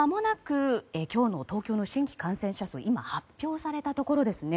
今日の東京の新規感染者数が今、発表されたところです。